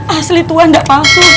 asli tuhan gak palsu